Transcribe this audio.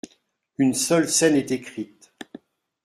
Une seule scène est écrite.